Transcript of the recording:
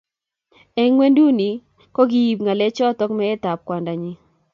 Eng ngwenduni, ko kiib ngalechoto meetab kwandanyi